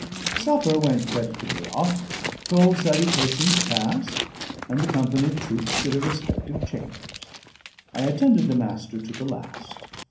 Supper went creditably off, cold salutations passed, and the company trooped to their respective chambers. I attended the Master to the last.